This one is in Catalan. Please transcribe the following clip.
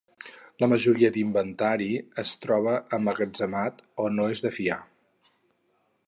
La majoria d'inventari es troba emmagatzemat o no és de fiar.